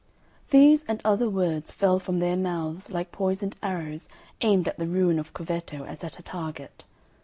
These and other words fell from their mouths like poisoned arrows aimed at the ruin of Corvetto as at a target.